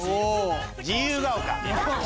自由が丘。